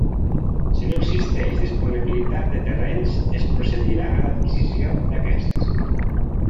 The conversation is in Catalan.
Si no existeix disponibilitat de terrenys, es procedirà a l'adquisició d'aquests.